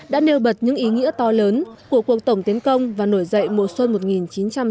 đã nêu bật những ý nghĩa to lớn của cuộc tổng tiến công và nổi dậy mùa xuân một nghìn chín trăm năm mươi